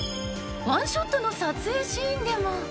［ワンショットの撮影シーンでも］